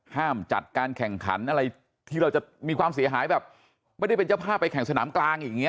ห้ามจัดการแข่งขันอะไรที่เราจะมีความเสียหายแบบไม่ได้เป็นเจ้าภาพไปแข่งสนามกลางอย่างนี้